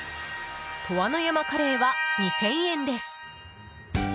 鳥羽の山カレーは２０００円です。